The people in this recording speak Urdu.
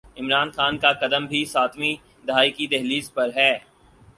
عمران خان کا قدم بھی ساتویں دھائی کی دہلیز پر ہے۔